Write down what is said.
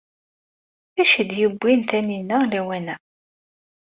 D acu ay d-yewwin Taninna lawan-a?